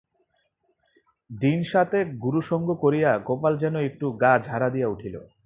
দিন সাতেক গুরুসঙ্গ করিয়া গোপাল যেন একটু গা ঝাড়া দিয়া উঠিল।